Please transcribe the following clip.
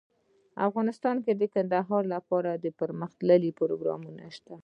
افغانستان کې د کندهار لپاره دپرمختیا پروګرامونه شته.